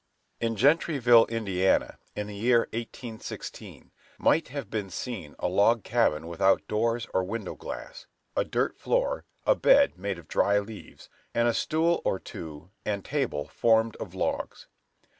In Gentryville, Indiana, in the year 1816, might have been seen a log cabin without doors or window glass, a dirt floor, a bed made of dried leaves, and a stool or two and table formed of logs.